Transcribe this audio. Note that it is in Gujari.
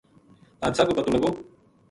حادثہ کو پتو لگو